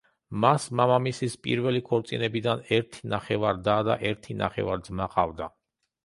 მას მამამისის პირველი ქორწინებიდან ერთი ნახევარ-და და ერთი ნახევარ-ძმა ჰყავდა.